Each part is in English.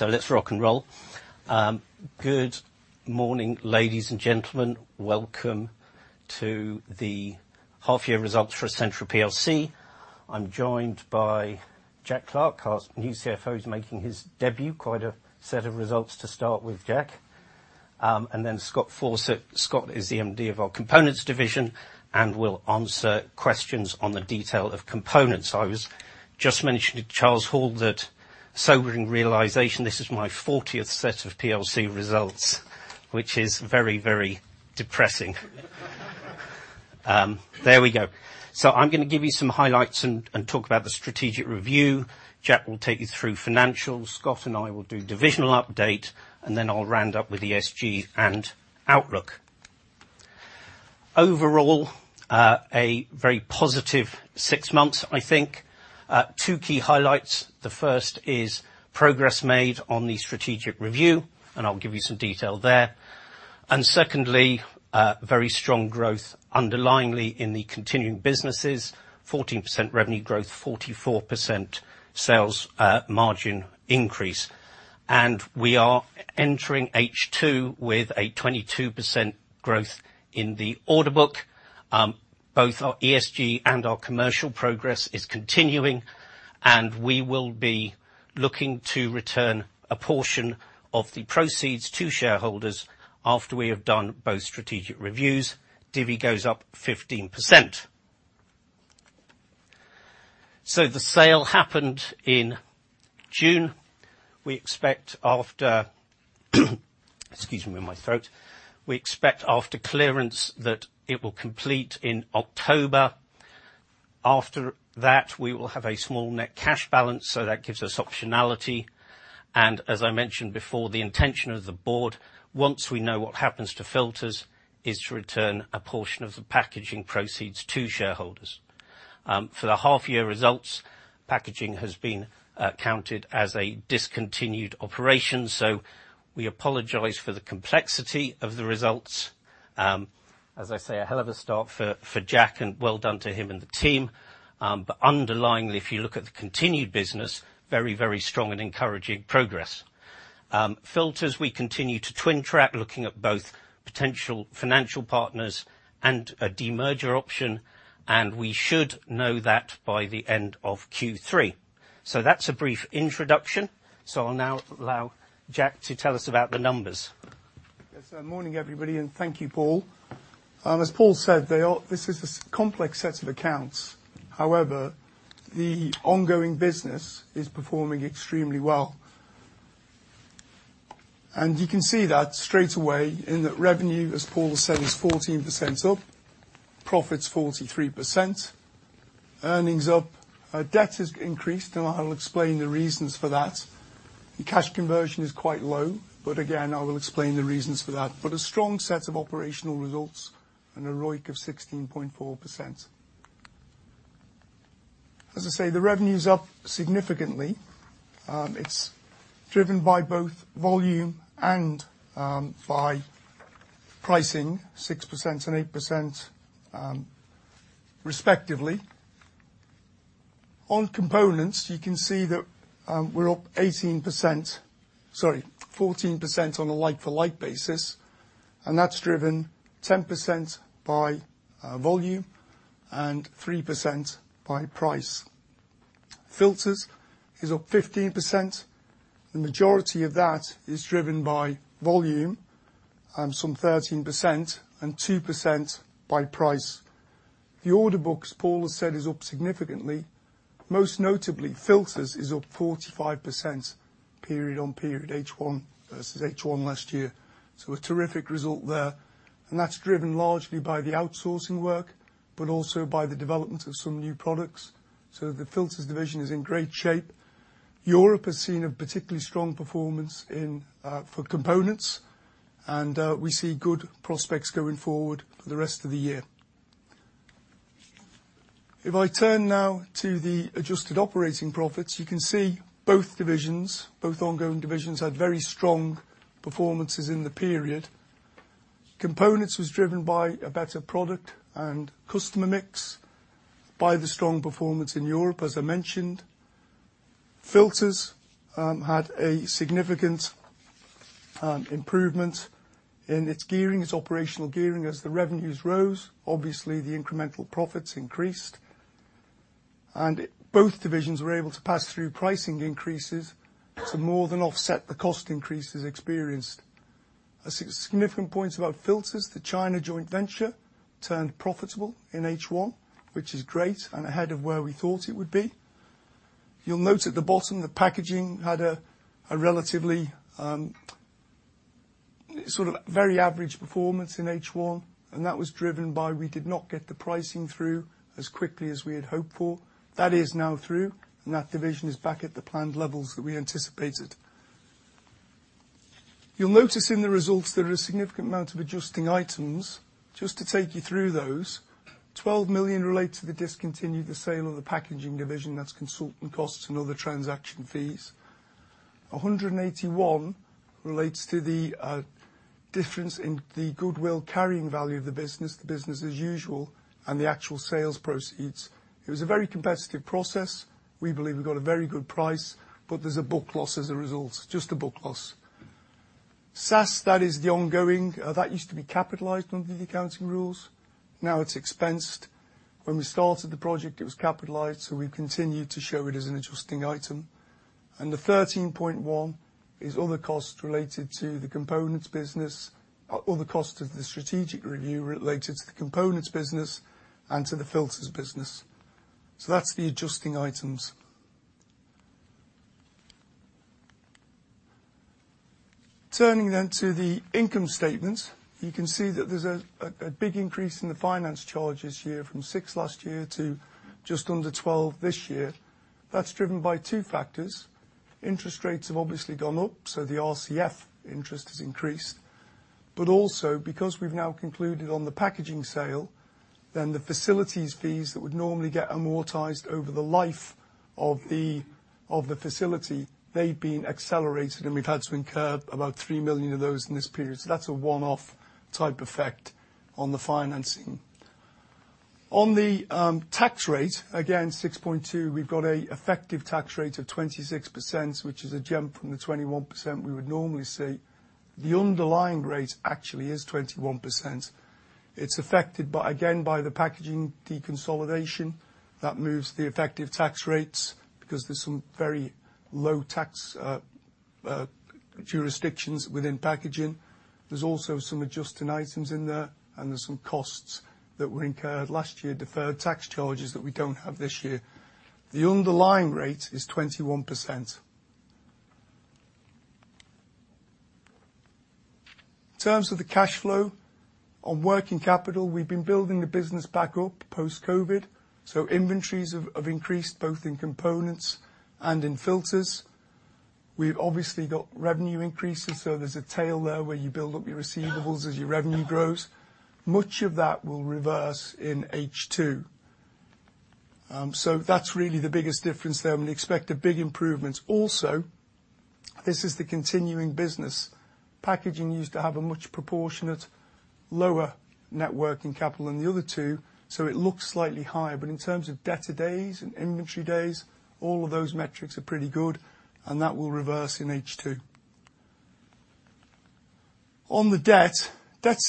Let's rock and roll. Good morning, ladies and gentlemen. Welcome to the half year results for Essentra plc. I'm joined by Jack Clarke, our new CFO. He's making his debut. Quite a set of results to start with Jack. And then Scott Fawcett. Scott is the MD of our components division and will answer questions on the detail of components. I was just mentioning to Charles Hall that sobering realization, this is my fortieth set of plc results, which is very, very depressing. There we go. I'm gonna give you some highlights and talk about the strategic review. Jack will take you through financials. Scott and I will do divisional update, and then I'll round up with ESG and outlook. Overall, a very positive six months, I think. Two key highlights. The first is progress made on the strategic review, and I'll give you some detail there. Secondly, very strong growth underlying in the continuing businesses. 14% revenue growth, 44% sales margin increase. We are entering H2 with a 22% growth in the order book. Both our ESG and our commercial progress is continuing, and we will be looking to return a portion of the proceeds to shareholders after we have done both strategic reviews. Dividend goes up 15%. The sale happened in June. We expect after clearance that it will complete in October. After that, we will have a small net cash balance, so that gives us optionality. I mentioned before, the intention of the board, once we know what happens to Filters, is to return a portion of the packaging proceeds to shareholders. For the half year results, packaging has been counted as a discontinued operation, so we apologize for the complexity of the results. As I say, a hell of a start for Jack and well done to him and the team. Underlying, if you look at the continued business, very, very strong and encouraging progress. Filters, we continue to twin track, looking at both potential financial partners and a demerger option, and we should know that by the end of Q3. That's a brief introduction. I'll now allow Jack to tell us about the numbers. Yes. Morning, everybody, and thank you, Paul. As Paul said, this is a complex set of accounts. However, the ongoing business is performing extremely well. You can see that straight away in that revenue, as Paul said, is 14% up. Profit is 43%. Earnings up. Our debt has increased, and I'll explain the reasons for that. The cash conversion is quite low, but again, I will explain the reasons for that. A strong set of operational results and a ROIC of 16.4%. As I say, the revenue's up significantly. It's driven by both volume and by pricing 6% and 8%, respectively. On components, you can see that we're up 14% on a like-for-like basis, and that's driven 10% by volume and 3% by price. Filters is up 15%. The majority of that is driven by volume, some 13% and 2% by price. The order books, Paul has said, is up significantly. Most notably, Filters is up 45% period on period H1 versus H1 last year. A terrific result there, and that's driven largely by the outsourcing work, but also by the development of some new products. The Filters division is in great shape. Europe has seen a particularly strong performance in for components, and we see good prospects going forward for the rest of the year. If I turn now to the adjusted operating profits, you can see both divisions, both ongoing divisions, had very strong performances in the period. Components was driven by a better product and customer mix by the strong performance in Europe, as I mentioned. Filters had a significant improvement in its gearing, its operational gearing. As the revenues rose, obviously the incremental profits increased. Both divisions were able to pass through pricing increases to more than offset the cost increases experienced. A significant point about Filters, the China joint venture turned profitable in H1, which is great and ahead of where we thought it would be. You'll note at the bottom that Packaging had a relatively sort of very average performance in H1, and that was driven by we did not get the pricing through as quickly as we had hoped for. That is now through, and that division is back at the planned levels that we anticipated. You'll notice in the results there are a significant amount of adjusting items. Just to take you through those, 12 million relate to the discontinued sale of the Packaging division, that's consulting costs and other transaction fees. 18.1 relates to the difference in the goodwill carrying value of the business as usual and the actual sales proceeds. It was a very competitive process. We believe we got a very good price, but there's a book loss as a result. Just a book loss. SaaS, that is the ongoing. That used to be capitalized under the accounting rules, now it's expensed. When we started the project, it was capitalized, so we continued to show it as an adjusting item. The 13.1 is other costs related to the components business, or other costs of the strategic review related to the components business and to the filters business. So that's the adjusting items. Turning then to the income statement. You can see that there's a big increase in the finance charge this year from 6 million last year to just under 12 million this year. That's driven by two factors. Interest rates have obviously gone up, so the RCF interest has increased. Also because we've now concluded on the packaging sale, the facilities fees that would normally get amortized over the life of the facility, they've been accelerated, and we've had to incur about 3 million of those in this period. That's a one-off type effect on the financing. On the tax rate, again, 6.2, we've got an effective tax rate of 26%, which is a jump from the 21% we would normally see. The underlying rate actually is 21%. It's affected by, again, by the packaging deconsolidation that moves the effective tax rates, because there's some very low tax jurisdictions within packaging. There's also some adjusting items in there, and there's some costs that were incurred last year, deferred tax charges that we don't have this year. The underlying rate is 21%. In terms of the cash flow, on working capital, we've been building the business back up post-COVID, so inventories have increased both in components and in filters. We've obviously got revenue increases, so there's a tail there where you build up your receivables as your revenue grows. Much of that will reverse in H2. So that's really the biggest difference there, and we expect a big improvement. Also, this is the continuing business. Packaging used to have a much proportionate lower net working capital than the other two, so it looks slightly higher. In terms of debtor days and inventory days, all of those metrics are pretty good, and that will reverse in H2. On the debt's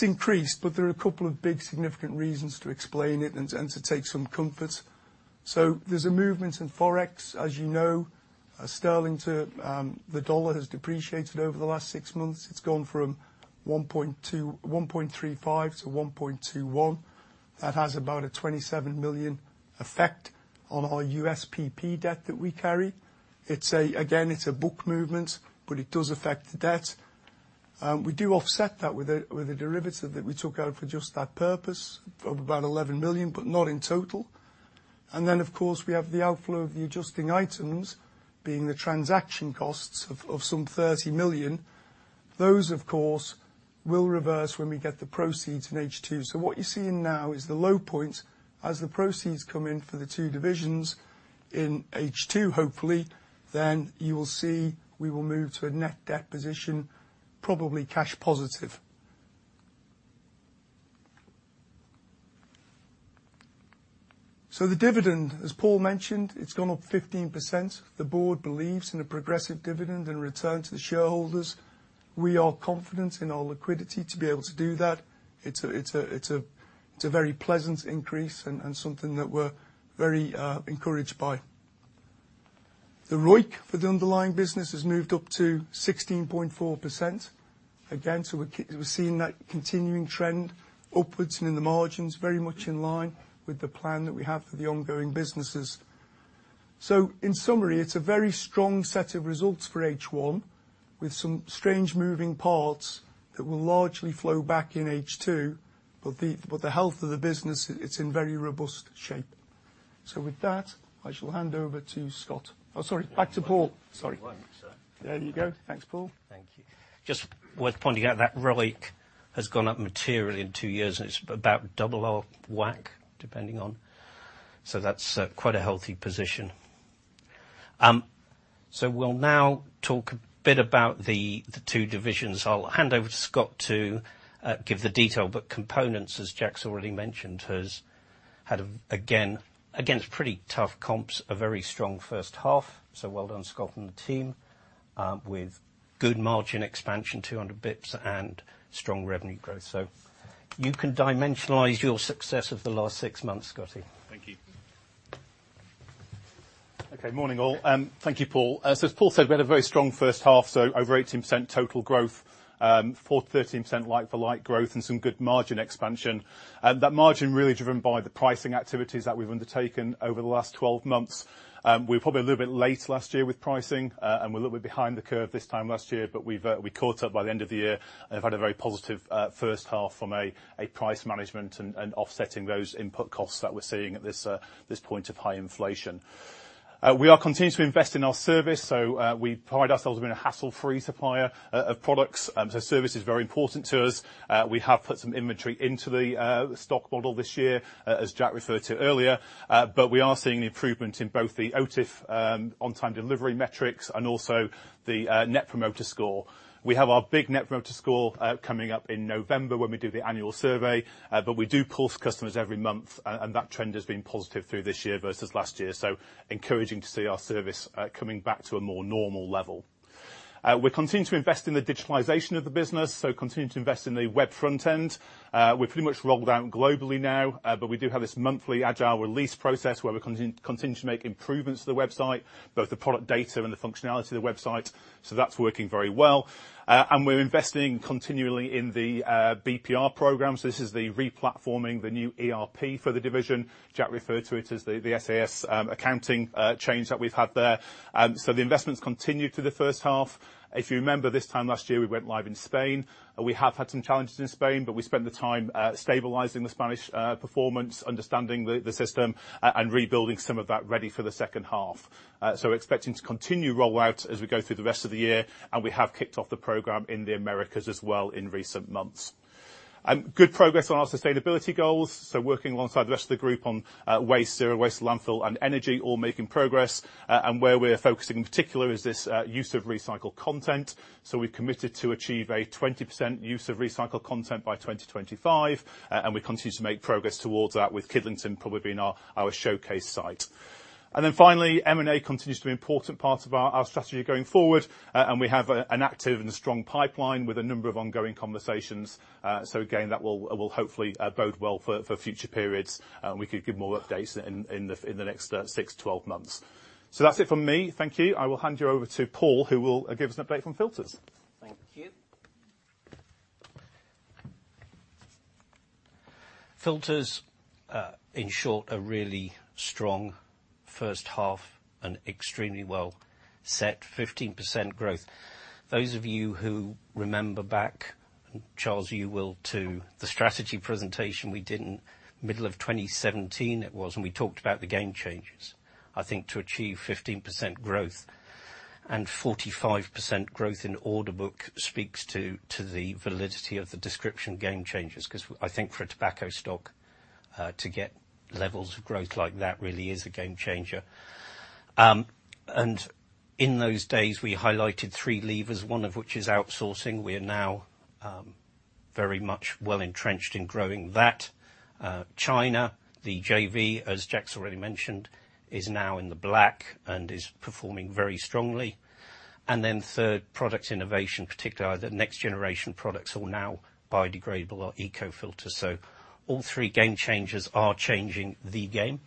increased, but there are a couple of big significant reasons to explain it and to take some comfort. There's a movement in forex. As you know, sterling to the dollar has depreciated over the last six months. It's gone from 1.35 to 1.21. That has about a $27 million effect on our USPP debt that we carry. It's again a book movement, but it does affect the debt. We do offset that with a derivative that we took out for just that purpose of about 11 million, but not in total. Of course, we have the outflow of the adjusting items being the transaction costs of some 30 million. Those, of course, will reverse when we get the proceeds in H2. What you're seeing now is the low point. As the proceeds come in for the two divisions in H2, hopefully, then you will see we will move to a net debt position, probably cash positive. The dividend, as Paul mentioned, it's gone up 15%. The board believes in a progressive dividend and return to the shareholders. We are confident in our liquidity to be able to do that. It's a very pleasant increase and something that we're very encouraged by. The ROIC for the underlying business has moved up to 16.4%. Again, we're seeing that continuing trend upwards and in the margins, very much in line with the plan that we have for the ongoing businesses. In summary, it's a very strong set of results for H1, with some strange moving parts that will largely flow back in H2. The health of the business, it's in very robust shape. With that, I shall hand over to Scott. Oh, sorry. Back to Paul. Sorry. Why don't you sit? There you go. Thanks, Paul. Thank you. Just worth pointing out that ROIC has gone up materially in two years, and it's about double our WACC, depending on. That's quite a healthy position. We'll now talk a bit about the two divisions. I'll hand over to Scott to give the detail. Components, as Jack's already mentioned, has had, again, against pretty tough comps, a very strong first half. Well done, Scott and the team, with good margin expansion, 200 basis points, and strong revenue growth. You can dimensionalize your success of the last six months, Scotty. Thank you. Okay, morning all. Thank you, Paul. As Paul said, we had a very strong first half, so over 18% total growth, 43% like-for-like growth and some good margin expansion. That margin really driven by the pricing activities that we've undertaken over the last 12 months. We're probably a little bit late last year with pricing, and we're a little bit behind the curve this time last year, but we caught up by the end of the year and have had a very positive first half from a price management and offsetting those input costs that we're seeing at this point of high inflation. We are continuing to invest in our service, so we pride ourselves in being a hassle-free supplier of products, service is very important to us. We have put some inventory into the stock model this year, as Jack referred to earlier. We are seeing improvement in both the OTIF on-time delivery metrics and also the Net Promoter Score. We have our big Net Promoter Score coming up in November when we do the annual survey, but we do poll customers every month and that trend has been positive through this year versus last year. Encouraging to see our service coming back to a more normal level. We're continuing to invest in the digitalization of the business, so continuing to invest in the web front end. We're pretty much rolled out globally now, but we do have this monthly agile release process where we're continuing to make improvements to the website, both the product data and the functionality of the website, so that's working very well. We're investing continually in the BPR program. This is the replatforming, the new ERP for the division. Jack referred to it as the SaaS accounting change that we've had there. The investments continued through the first half. If you remember this time last year, we went live in Spain. We have had some challenges in Spain, but we spent the time stabilizing the Spanish performance, understanding the system and rebuilding some of that ready for the second half. We're expecting to continue rollout as we go through the rest of the year, and we have kicked off the program in the Americas as well in recent months. Good progress on our sustainability goals. Working alongside the rest of the group on waste, zero waste landfill and energy all making progress. Where we're focusing in particular is this use of recycled content. We've committed to achieve a 20% use of recycled content by 2025, and we continue to make progress towards that, with Kidlington probably being our showcase site. Then finally, M&A continues to be an important part of our strategy going forward. We have an active and a strong pipeline with a number of ongoing conversations. Again, that will hopefully bode well for future periods, and we can give more updates in the next six to 12 months. That's it from me. Thank you. I will hand you over to Paul, who will give us an update from Filters. Thank you. Filters, in short, a really strong first half and extremely well set 15% growth. Those of you who remember back, and Charles, you will too, the strategy presentation we did in middle of 2017 it was, and we talked about the game changers, I think, to achieve 15% growth and 45% growth in order book speaks to the validity of the description game changers, 'cause I think for a tobacco stock, to get levels of growth like that really is a game changer. In those days, we highlighted three levers, one of which is outsourcing. We are now very much well-entrenched in growing that. China, the JV, as Jack's already mentioned, is now in the black and is performing very strongly. Third, product innovation, particularly the next generation products are now biodegradable or ECO filters. All three game changers are changing the game.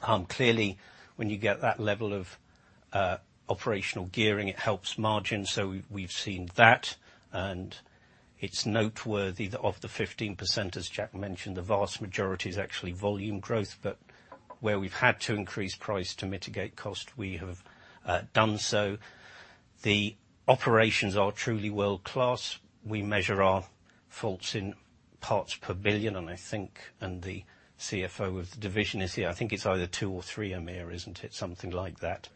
Clearly when you get that level of operational gearing, it helps margin. We've seen that, and it's noteworthy that of the 15%, as Jack mentioned, the vast majority is actually volume growth, but where we've had to increase price to mitigate cost, we have done so. The operations are truly world-class. We measure our faults in parts per billion, and I think, and the CFO of the division is here, I think it's either two or three, Amir, isn't it? Something like that.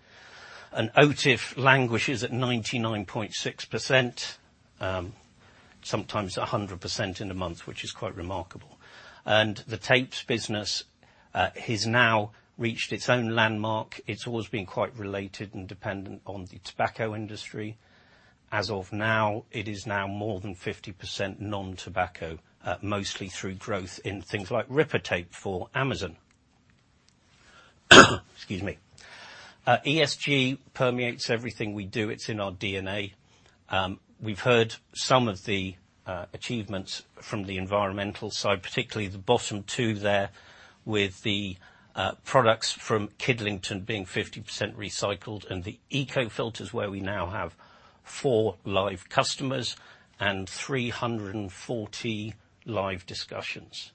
OTIF languishes at 99.6%, sometimes 100% in a month, which is quite remarkable. The tapes business has now reached its own landmark. It's always been quite related and dependent on the tobacco industry. As of now, it is now more than 50% non-tobacco, mostly through growth in things like Rippatape for Amazon. ESG permeates everything we do. It's in our DNA. We've heard some of the achievements from the environmental side, particularly the bottom two there with the products from Kidlington being 50% recycled and the ECO filters where we now have four live customers and 340 live discussions.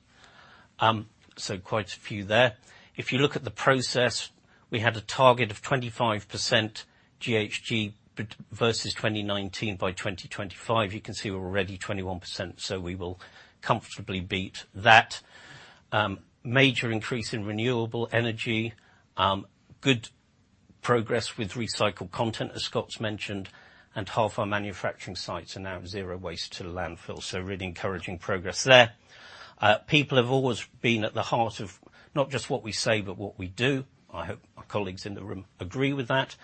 So quite a few there. If you look at the process, we had a target of 25% GHG versus 2019 by 2025. You can see we're already 21%, so we will comfortably beat that. Major increase in renewable energy, good progress with recycled content, as Scott's mentioned, and half our manufacturing sites are now zero waste to landfill. Really encouraging progress there. People have always been at the heart of not just what we say, but what we do. I hope my colleagues in the room agree with that.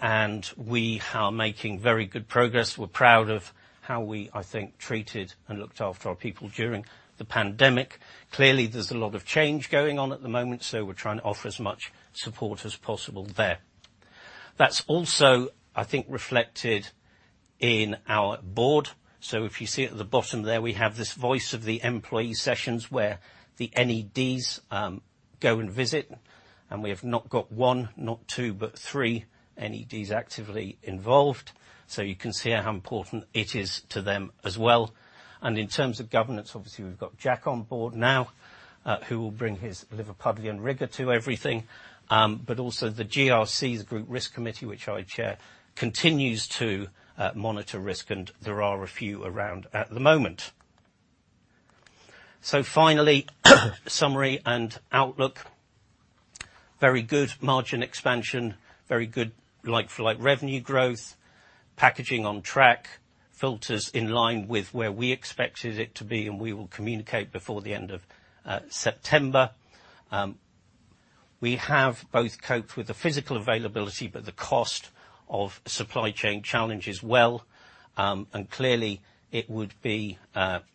We are making very good progress. We're proud of how we, I think, treated and looked after our people during the pandemic. Clearly, there's a lot of change going on at the moment, so we're trying to offer as much support as possible there. That's also, I think, reflected in our board. If you see at the bottom there, we have this voice of the employee sessions where the NEDs go and visit, and we have not got one, not two, but three NEDs actively involved. You can see how important it is to them as well. In terms of governance, obviously we've got Jack on board now, who will bring his Liverpudlian rigor to everything. Also the GRC, the Group Risk Committee, which I chair, continues to monitor risk, and there are a few around at the moment. Finally, summary and outlook. Very good margin expansion, very good like-for-like revenue growth, packaging on track, filters in line with where we expected it to be, and we will communicate before the end of September. We have both coped with the physical availability, but the cost of supply chain challenges well, and clearly it would be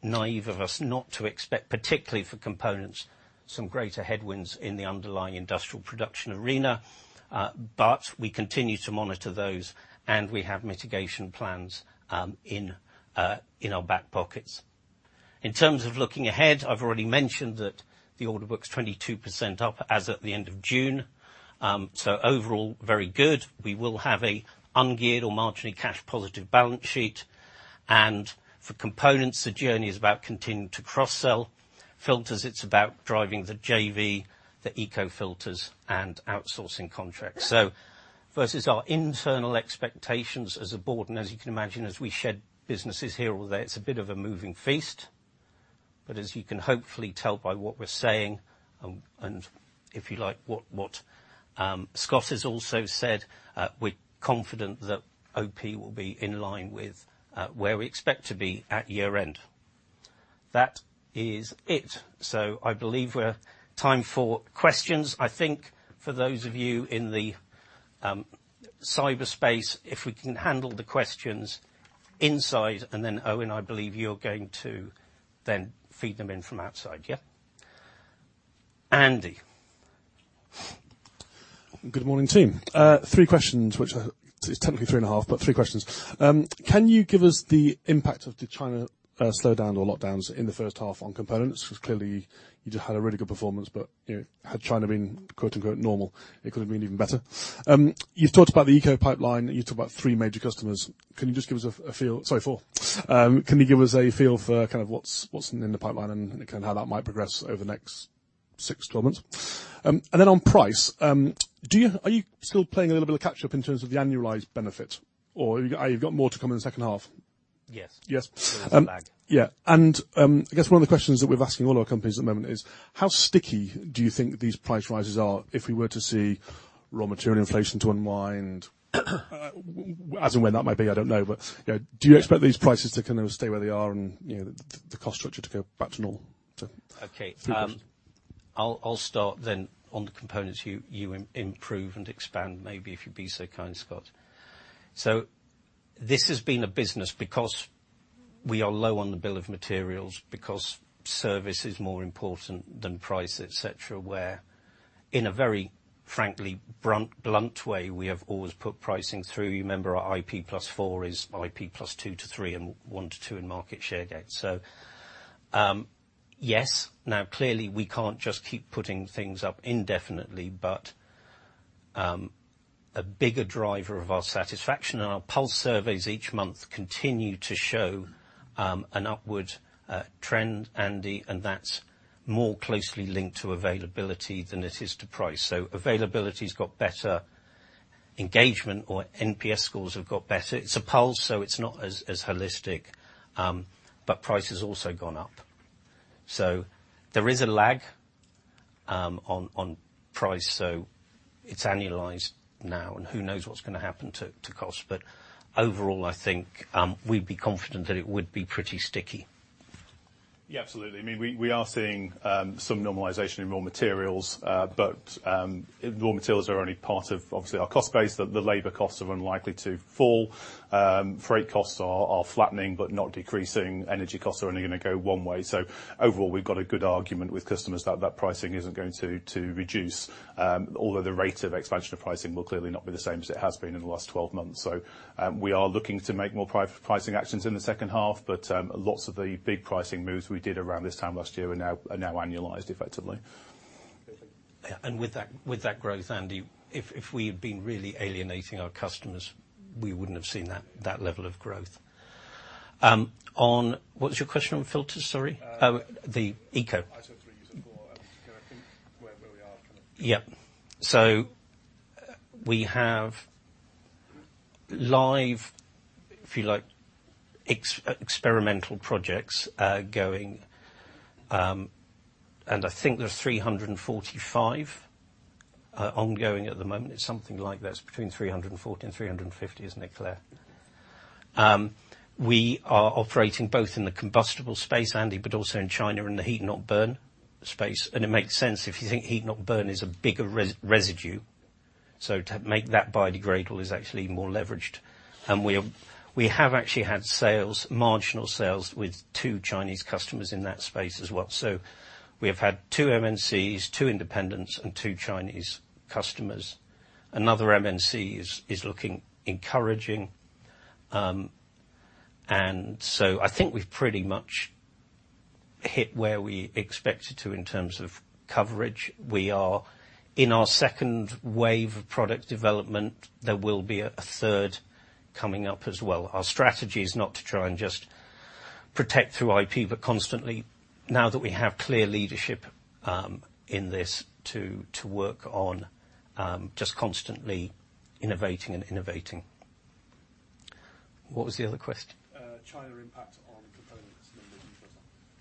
naive of us not to expect, particularly for components, some greater headwinds in the underlying industrial production arena. We continue to monitor those, and we have mitigation plans in our back pockets. In terms of looking ahead, I've already mentioned that the order book's 22% up as of the end of June. Overall, very good. We will have a ungeared or marginally cash positive balance sheet. For components, the journey is about continuing to cross-sell. Filters, it's about driving the JV, the ECO filters and outsourcing contracts. Versus our internal expectations as a board, and as you can imagine, as we shed businesses here or there, it's a bit of a moving feast, but as you can hopefully tell by what we're saying, and if you like, what Scott has also said, we're confident that OP will be in line with where we expect to be at year end. That is it. I believe it's time for questions. I think for those of you in the cyberspace, if we can handle the questions inside, and then, Owen, I believe you're going to then feed them in from outside, yeah? Andy. Good morning, team. Three questions, it's technically three and a half, but three questions. Can you give us the impact of the China slowdown or lockdowns in the first half on components? 'Cause clearly you just had a really good performance, but, you know, had China been, quote-unquote, normal, it could have been even better. You've talked about the eco pipeline, you've talked about three major customers. Can you just give us a feel. Sorry, four. Can you give us a feel for kind of what's in the pipeline and kind of how that might progress over the next six to 12 months? Then on price, are you still playing a little bit of catch up in terms of the annualized benefit? Or have you got more to come in the second half? Yes. Yes. We have some back. Yeah. I guess one of the questions that we're asking all our companies at the moment is, how sticky do you think these price rises are if we were to see raw material inflation unwind, as and when that might be? I don't know. You know, do you expect these prices to kind of stay where they are and, you know, the cost structure to go back to normal? Okay. Three questions. I'll start then on the components. You improve and expand, maybe if you'd be so kind, Scott. This has been a business because we are low on the bill of materials, because service is more important than price, et cetera. In a very frank, blunt way, we have always put pricing through. You remember our IP +4 is IP +2-3, and one to two in market share gains. Yes. Now, clearly, we can't just keep putting things up indefinitely, but a bigger driver of our satisfaction and our pulse surveys each month continue to show an upward trend, Andy, and that's more closely linked to availability than it is to price. Availability's got better. Engagement or NPS scores have got better. It's a pulse, so it's not as holistic, but price has also gone up. There is a lag on price, so it's annualized now and who knows what's gonna happen to cost. Overall, I think we'd be confident that it would be pretty sticky. Yeah, absolutely. I mean, we are seeing some normalization in raw materials, but raw materials are only part of obviously our cost base. The labor costs are unlikely to fall. Freight costs are flattening but not decreasing. Energy costs are only gonna go one way. Overall, we've got a good argument with customers that pricing isn't going to reduce, although the rate of expansion of pricing will clearly not be the same as it has been in the last 12 months. We are looking to make more pricing actions in the second half, but lots of the big pricing moves we did around this time last year are now annualized effectively. Yeah. With that growth, Andy, if we had been really alienating our customers, we wouldn't have seen that level of growth. What's your question on filters? Sorry. Uh. Oh, the ECO. I sort of threw you for, you know, I think where we are kind of. Yeah. We have live, if you like, experimental projects going, and I think there's 345 ongoing at the moment. It's something like this, between 340 and 350, isn't it, Claire? We are operating both in the combustible space, Andy, but also in China and the Heat Not Burn space. It makes sense if you think Heat Not Burn is a bigger residue. To make that biodegradable is actually more leveraged. We have actually had sales, marginal sales with two Chinese customers in that space as well. We have had two MNCs, two independents and two Chinese customers. Another MNC is looking encouraging. I think we've pretty much hit where we expected to in terms of coverage. We are in our second wave of product development. There will be a third coming up as well. Our strategy is not to try and just protect through IP, but constantly, now that we have clear leadership, in this, to work on just constantly innovating. What was the other question? China impact on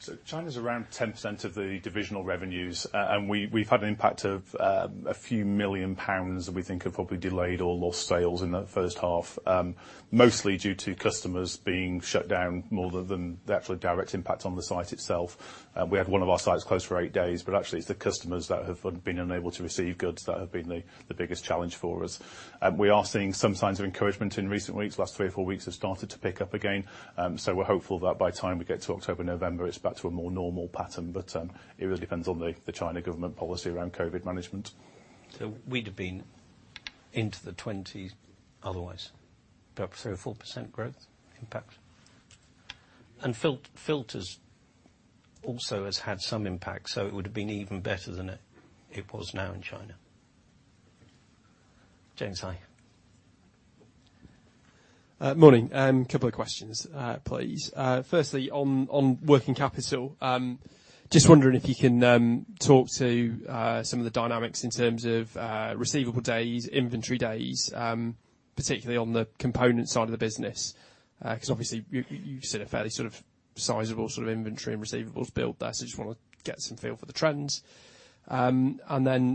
components China's around 10% of the divisional revenues. We've had an impact of a few million GBP that we think have probably delayed or lost sales in the first half, mostly due to customers being shut down more than the actual direct impact on the site itself. We had one of our sites closed for eight days, but actually it's the customers that have been unable to receive goods that have been the biggest challenge for us. We are seeing some signs of encouragement in recent weeks. The last 3 or 4 weeks have started to pick up again, so we're hopeful that by the time we get to October, November, it's back to a more normal pattern. It really depends on the Chinese government policy around COVID management. We'd have been into the twenties otherwise. About 3 or 4% growth impact. Filters also has had some impact, so it would have been even better than it was now in China. James Hyde. Morning. A couple of questions, please. Firstly, on working capital, just wondering if you can talk to some of the dynamics in terms of receivable days, inventory days, particularly on the component side of the business. 'Cause obviously you've seen a fairly sort of sizable inventory and receivables build there, so just wanna get some feel for the trends.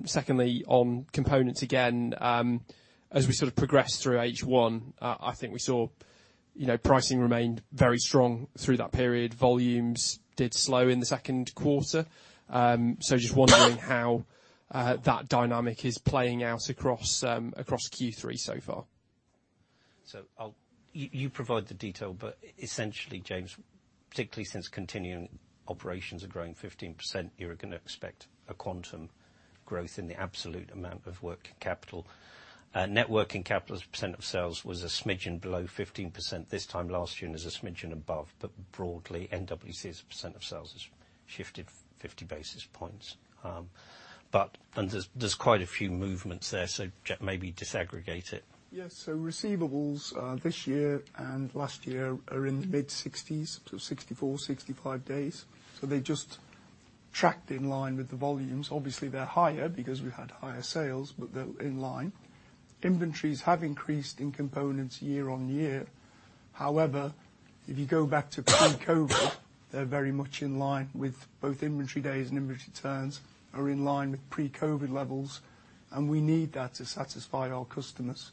Secondly, on components again, as we sort of progress through H1, I think we saw, you know, pricing remained very strong through that period. Volumes did slow in the second quarter. Just wondering how that dynamic is playing out across Q3 so far. You provide the detail, but essentially, James, particularly since continuing operations are growing 15%, you're gonna expect a quantum growth in the absolute amount of working capital. Net working capital as a percent of sales was a smidgen below 15% this time last year, and is a smidgen above, but broadly NWC as a percent of sales has shifted fifty basis points. There's quite a few movements there, so maybe disaggregate it. Yes. Receivables this year and last year are in the mid-60s, so 64, 65 days. They just tracked in line with the volumes. Obviously, they're higher because we had higher sales, but they're in line. Inventories have increased in components year-on-year. However, if you go back to pre-COVID, they're very much in line with both inventory days and inventory turns are in line with pre-COVID levels, and we need that to satisfy our customers.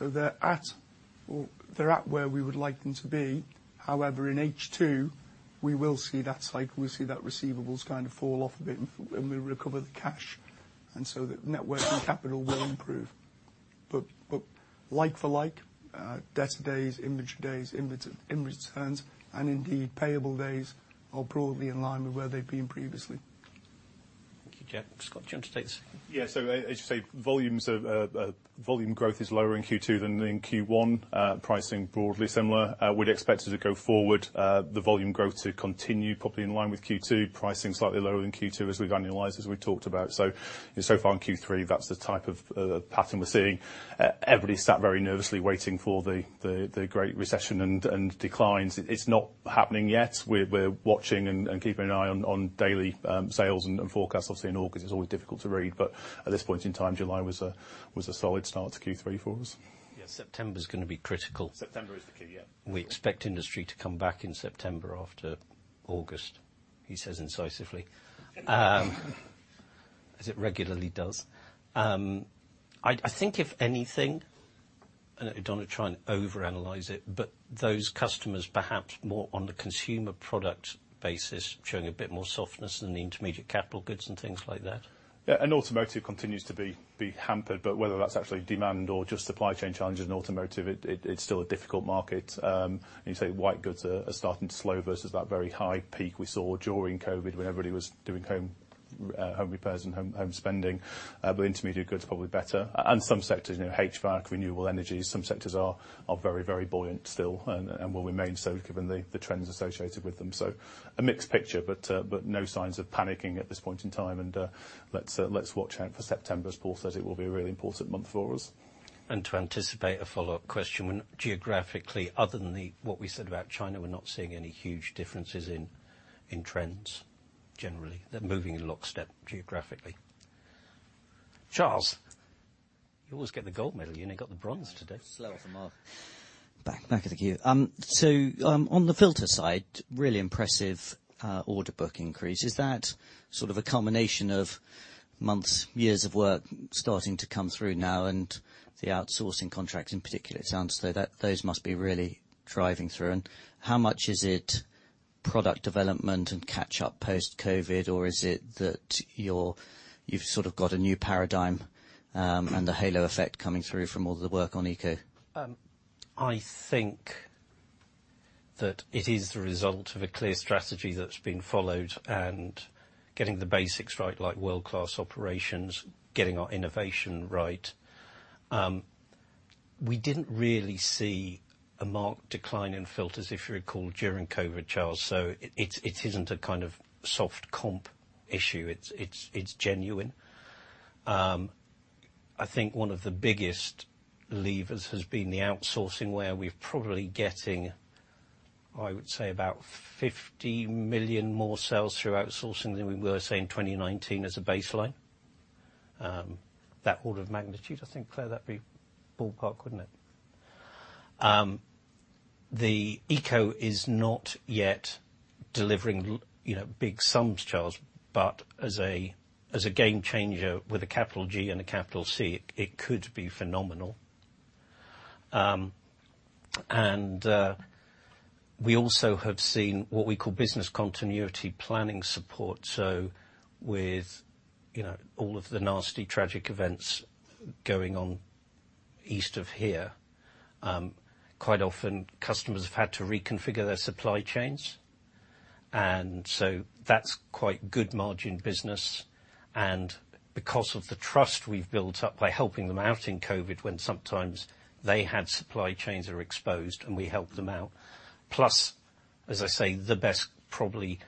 They're at where we would like them to be. However, in H2, we will see that cycle. We'll see that receivables kind of fall off a bit and we recover the cash, and so the net working capital will improve. Like for like, debtor days, inventory days, inventory turns, and indeed payable days are broadly in line with where they've been previously. Thank you, Jack Clark. Scott, do you want to take this? As you say, volume growth is lower in Q2 than in Q1. Pricing broadly similar. We'd expect as we go forward, the volume growth to continue probably in line with Q2, pricing slightly lower than Q2 as we've annualized, as we talked about. And so far in Q3, that's the type of pattern we're seeing. Everybody sat very nervously waiting for the great recession and declines. It's not happening yet. We're watching and keeping an eye on daily sales and forecasts obviously in August. It's always difficult to read. At this point in time, July was a solid start to Q3 for us. Yeah. September's gonna be critical. September is the key, yeah. We expect industry to come back in September after August, he says incisively. As it regularly does. I think if anything, and I don't wanna try and overanalyze it, but those customers perhaps more on the consumer product basis showing a bit more softness than the intermediate capital goods and things like that. Yeah, automotive continues to be hampered. Whether that's actually demand or just supply chain challenges in automotive, it's still a difficult market. When you say white goods are starting to slow versus that very high peak we saw during COVID when everybody was doing home repairs and home spending. Intermediate goods are probably better. Some sectors, you know, HVAC, renewable energy, some sectors are very buoyant still and will remain so given the trends associated with them. A mixed picture, but no signs of panicking at this point in time. Let's watch out for September, as Paul said, it will be a really important month for us. To anticipate a follow-up question, when geographically, other than what we said about China, we're not seeing any huge differences in trends generally. They're moving in lockstep geographically. Charles, you always get the gold medal. You only got the bronze today. Slow off the mark. Back of the queue. So, on the filter side, really impressive order book increase. Is that sort of a culmination of months, years of work starting to come through now and the outsourcing contracts in particular? It sounds, though, that those must be really driving through. How much is it product development and catch up post-COVID? Or is it that you've sort of got a new paradigm, and the halo effect coming through from all the work on eco? I think that it is the result of a clear strategy that's been followed and getting the basics right, like world-class operations, getting our innovation right. We didn't really see a marked decline in filters, if you recall, during COVID, Charles, so it's, it isn't a kind of soft comp issue. It's genuine. I think one of the biggest levers has been the outsourcing, where we're probably getting, I would say about 50 million more sales through outsourcing than we were, say, in 2019 as a baseline. That order of magnitude, I think, Claire, that'd be ballpark, wouldn't it? The ECO is not yet delivering, you know, big sums, Charles, but as a game changer with a capital G and a capital C, it could be phenomenal. We also have seen what we call business continuity planning support. With, you know, all of the nasty tragic events going on east of here, quite often customers have had to reconfigure their supply chains. That's quite good margin business, and because of the trust we've built up by helping them out in COVID when sometimes they had supply chains that are exposed and we helped them out. Plus, as I say, the best probably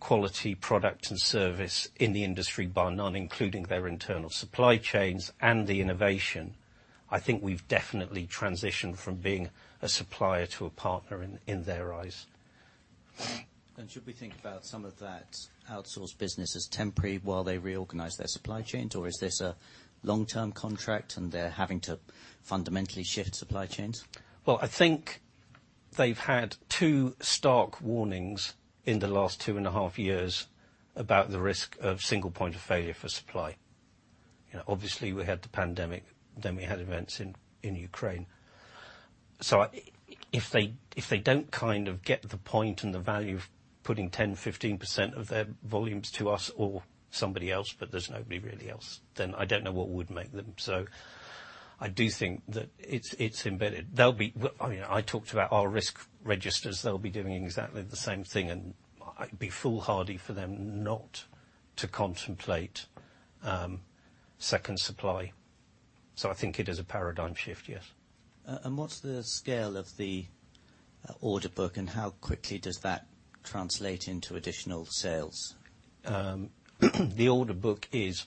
quality product and service in the industry, bar none, including their internal supply chains and the innovation. I think we've definitely transitioned from being a supplier to a partner in their eyes. Should we think about some of that outsourced business as temporary while they reorganize their supply chains? Or is this a long-term contract and they're having to fundamentally shift supply chains? Well, I think they've had two stark warnings in the last two and a half years about the risk of single point of failure for supply. You know, obviously, we had the pandemic, then we had events in Ukraine. If they don't kind of get the point and the value of putting 10, 15% of their volumes to us or somebody else, but there's nobody really else, then I don't know what would make them. I do think that it's embedded. Well, I mean, I talked about our risk registers. They'll be doing exactly the same thing, and I'd be foolhardy for them not to contemplate second supply. I think it is a paradigm shift, yes. What's the scale of the order book, and how quickly does that translate into additional sales? The order book is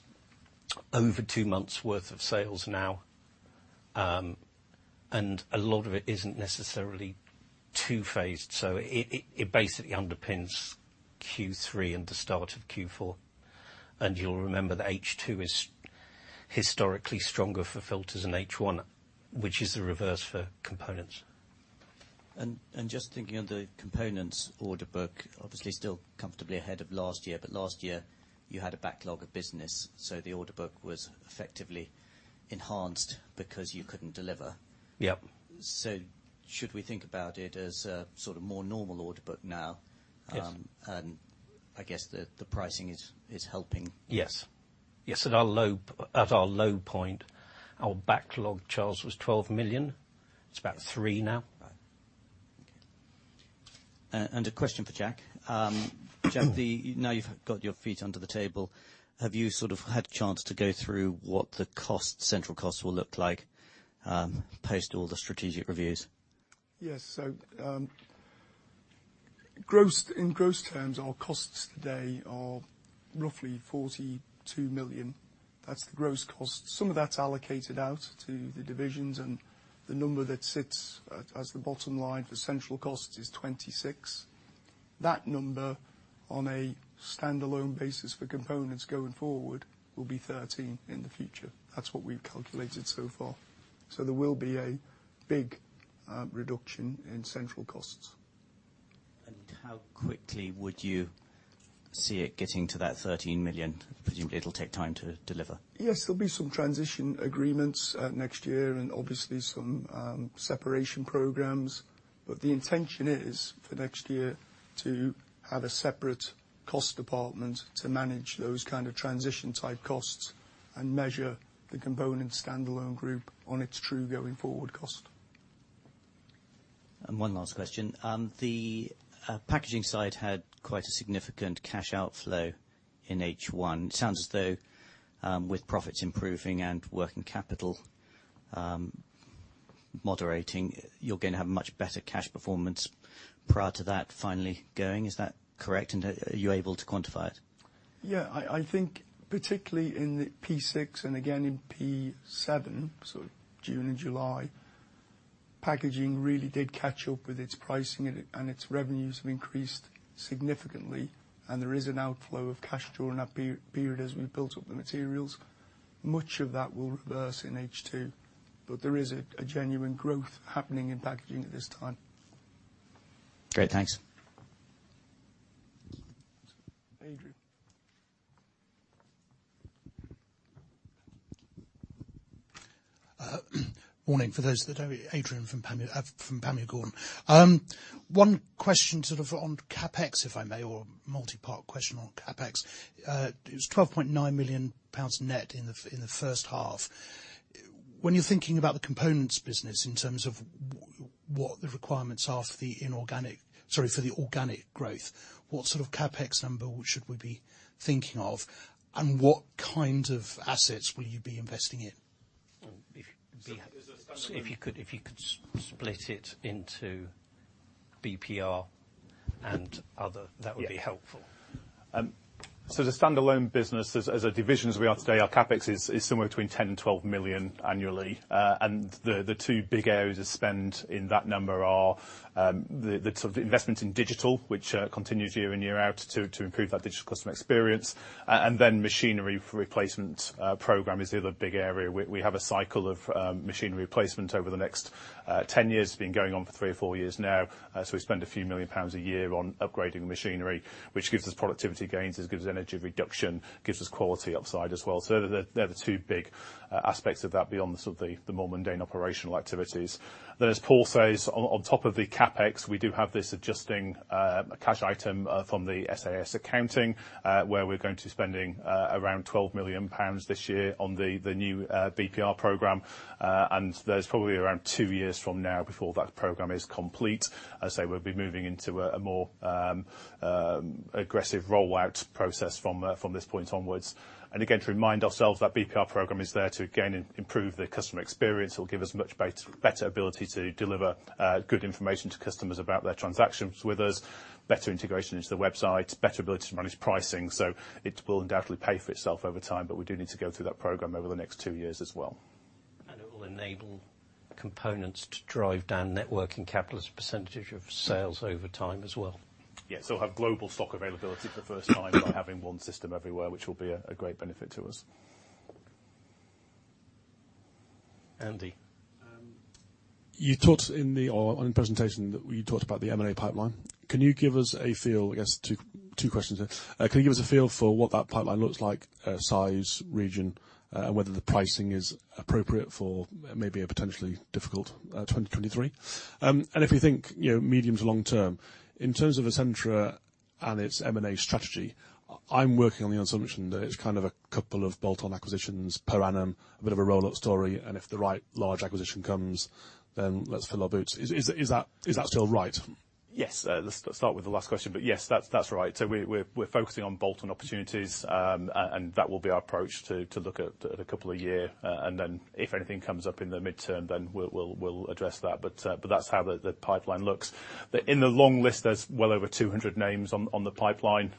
over two months worth of sales now. A lot of it isn't necessarily two-phased, so it basically underpins Q3 and the start of Q4. You'll remember that H2 is historically stronger for filters than H1, which is the reverse for components. Just thinking of the components order book, obviously, still comfortably ahead of last year, but last year you had a backlog of business, so the order book was effectively enhanced because you couldn't deliver. Yep. should we think about it as a sort of more normal order book now? Yes. I guess the pricing is helping. Yes. At our low point, our backlog, Charles, was 12 million. It's about 3 million now. Right. A question for Jack. Jack, now you've got your feet under the table, have you sort of had a chance to go through what the central costs will look like post all the strategic reviews? Yes. In gross terms, our costs today are roughly 42 million. That's the gross cost. Some of that's allocated out to the divisions, and the number that sits at, as the bottom line for central costs is 26. That number, on a standalone basis for components going forward, will be 13 in the future. That's what we've calculated so far. There will be a big reduction in central costs. How quickly would you see it getting to that 13 million? Presumably, it'll take time to deliver. Yes. There'll be some transition agreements, next year and obviously some separation programs. The intention is for next year to have a separate cost department to manage those kind of transition type costs and measure the component standalone group on its true going forward cost. One last question. The packaging side had quite a significant cash outflow in H1. It sounds as though, with profits improving and working capital, moderating, you're gonna have much better cash performance prior to that finally going. Is that correct? Are you able to quantify it? Yeah. I think particularly in the P6 and again in P7, so June and July, packaging really did catch up with its pricing and its revenues have increased significantly, and there is an outflow of cash during that period as we built up the materials. Much of that will reverse in H2, but there is a genuine growth happening in packaging at this time. Great. Thanks. Adrian. Morning. For those that don't know me, Adrian from Panmure Gordon. One question sort of on CapEx, if I may, or multi-part question on CapEx. It was 12.9 million pounds net in the first half. When you're thinking about the components business in terms of what the requirements are for the organic growth, what sort of CapEx number should we be thinking of, and what kind of assets will you be investing in? If you could- There's a standalone. If you could split it into BPR and other Yeah. That would be helpful. The standalone business as a division as we are today, our CapEx is somewhere between 10 million and 12 million annually. The two big areas of spend in that number are the sort of investment in digital, which continues year in, year out to improve our digital customer experience. Machinery for replacement program is the other big area. We have a cycle of machinery replacement over the next 10 years. It's been going on for three or four years now. We spend a few million GBP a year on upgrading the machinery, which gives us productivity gains, it gives energy reduction, gives us quality upside as well. They're the two big aspects of that beyond the sort of the more mundane operational activities. As Paul says, on top of the CapEx, we do have this adjusting cash item from the SaaS accounting, where we're going to be spending around 12 million pounds this year on the new BPR program. That's probably around two years from now before that program is complete. As I say, we'll be moving into a more aggressive rollout process from this point onwards. Again, to remind ourselves, that BPR program is there to again improve the customer experience. It'll give us much better ability to deliver good information to customers about their transactions with us, better integration into the website, better ability to manage pricing. It will undoubtedly pay for itself over time, but we do need to go through that program over the next two years as well. It will enable components to drive down net working capital as a percentage of sales over time as well. Yeah. We'll have global stock availability for the first time by having one system everywhere, which will be a great benefit to us. Andy. You talked on the presentation that you talked about the M&A pipeline. Can you give us a feel, I guess two questions there. Can you give us a feel for what that pipeline looks like, size, region, and whether the pricing is appropriate for maybe a potentially difficult 2023? And if you think, you know, medium to long term, in terms of Essentra and its M&A strategy, I'm working on the assumption that it's kind of a couple of bolt-on acquisitions per annum, a bit of a rollout story, and if the right large acquisition comes, then let's fill our boots. Is that still right? Yes. Let's start with the last question, but yes, that's right. We're focusing on bolt-on opportunities. That will be our approach to look at a couple a year. If anything comes up in the midterm, we'll address that. That's how the pipeline looks. In the long list, there's well over 200 names on the pipeline.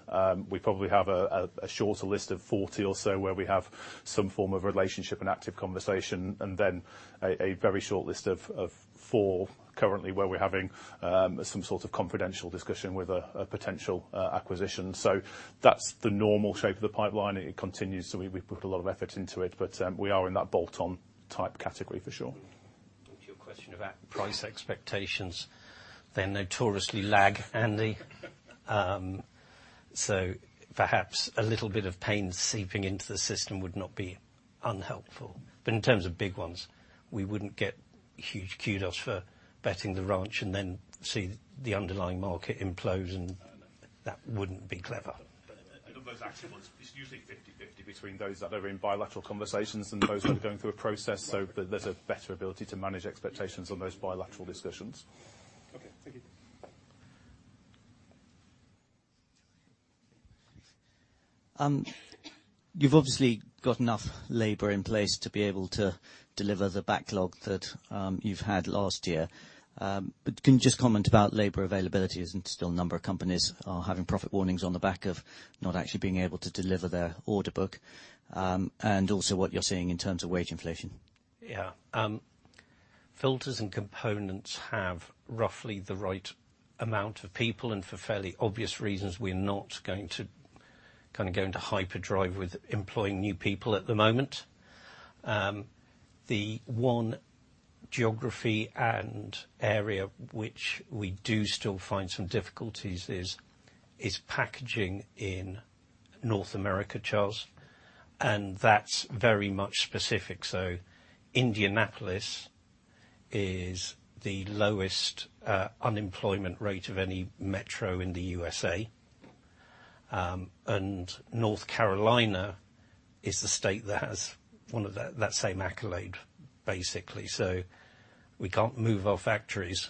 We probably have a shorter list of 40 or so where we have some form of relationship and active conversation, and then a very short list of 4 currently where we're having some sort of confidential discussion with a potential acquisition. That's the normal shape of the pipeline. It continues, so we've put a lot of effort into it, but we are in that bolt-on type category for sure. To your question about price expectations, they notoriously lag, Andy. Perhaps a little bit of pain seeping into the system would not be unhelpful. In terms of big ones, we wouldn't get huge kudos for betting the ranch and then see the underlying market implode and that wouldn't be clever. On those actual ones, it's usually 50/50 between those that are in bilateral conversations and those that are going through a process. There's a better ability to manage expectations on those bilateral discussions. Okay. Thank you. You've obviously got enough labor in place to be able to deliver the backlog that you've had last year. Can you just comment about labor availability, as still a number of companies are having profit warnings on the back of not actually being able to deliver their order book, and also what you're seeing in terms of wage inflation? Filters and components have roughly the right amount of people, and for fairly obvious reasons, we're not going to kind of go into hyperdrive with employing new people at the moment. The one geography and area which we do still find some difficulties is packaging in North America, Charles, and that's very much specific. Indianapolis is the lowest unemployment rate of any metro in the USA. North Carolina is the state that has that same accolade, basically. We can't move our factories,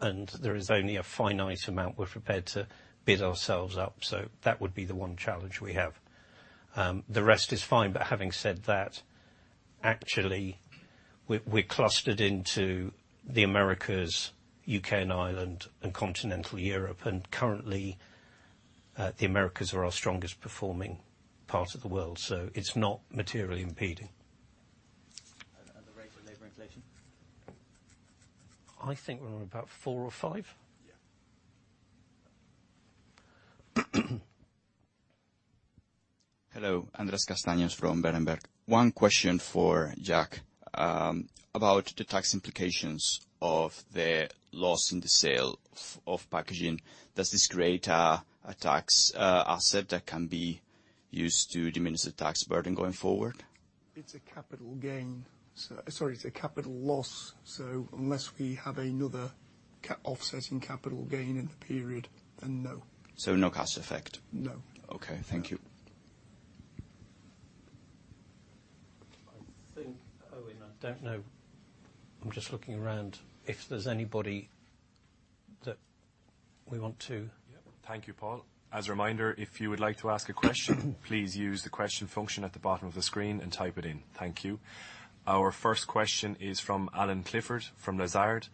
and there is only a finite amount we're prepared to bid ourselves up. That would be the one challenge we have. The rest is fine, but having said that, actually we're clustered into the Americas, U.K. and Ireland, and continental Europe. Currently, the Americas are our strongest performing part of the world, so it's not materially impeding. The rate for labor inflation? I think we're on about four or five. Yeah. Hello. Andrés Castaño-Coba from Berenberg. One question for Jack about the tax implications of the loss in the sale of packaging. Does this create a tax asset that can be used to diminish the tax burden going forward? It's a capital gain. Sorry, it's a capital loss. Unless we have another offsetting capital gain in the period, then no. No cost effect? No. Okay. Thank you. No. I don't know. I'm just looking around if there's anybody that we want to. Yeah. Thank you, Paul. As a reminder, if you would like to ask a question please use the question function at the bottom of the screen and type it in. Thank you. Our first question is from Alan Clifford from Davy.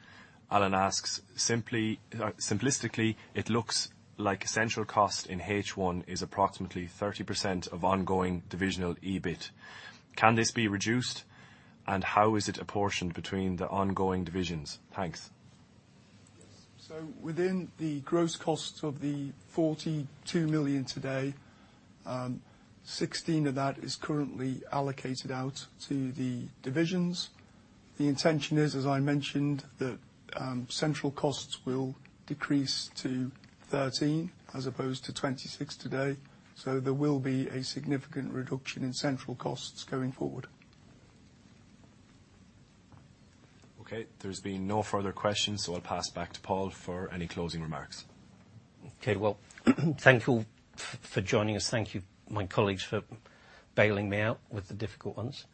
Alan asks, "Simply, simplistically, it looks like central cost in H1 is approximately 30% of ongoing divisional EBIT. Can this be reduced, and how is it apportioned between the ongoing divisions? Thanks. Within the gross costs of 42 million today, 16 of that is currently allocated out to the divisions. The intention is, as I mentioned, that central costs will decrease to 13 million as opposed to 26 million today. There will be a significant reduction in central costs going forward. Okay. There's been no further questions, so I'll pass back to Paul for any closing remarks. Okay. Well, thank you all for joining us. Thank you my colleagues for bailing me out with the difficult ones.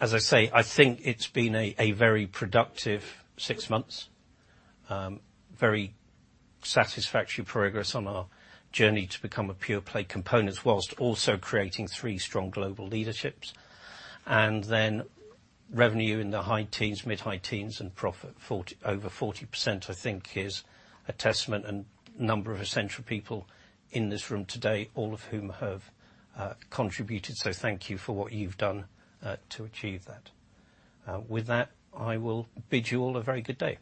As I say, I think it's been a very productive six months. Very satisfactory progress on our journey to become a pure play components, while also creating three strong global leaderships. Revenue in the high teens, mid-high teens and profit over 40%, I think is a testament to the number of Essentra people in this room today, all of whom have contributed. Thank you for what you've done to achieve that. With that, I will bid you all a very good day.